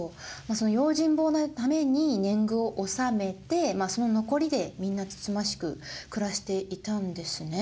用心棒代のために年貢を納めてその残りでみんなつつましく暮らしていたんですね。